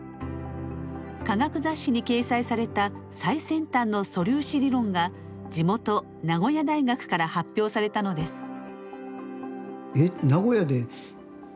科学雑誌に掲載された最先端の素粒子理論が地元名古屋大学から発表されたのです。